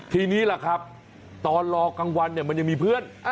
ทีนี้ล่ะครับตอนรอกลางวันเนี่ยมันยังมีเพื่อน